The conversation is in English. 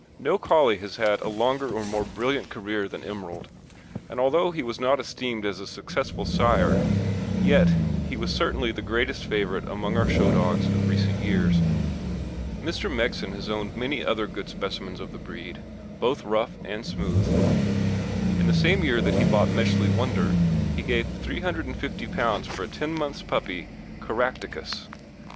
No Collie has had a longer or more brilliant career than Emerald, and although he was not esteemed as a successful sire, yet he was certainly the greatest favourite among our show dogs of recent years. Mr. Megson has owned many other good specimens of the breed, both rough and smooth. In the same year that he bought Metchley Wonder, he gave P350 for a ten months' puppy, Caractacus.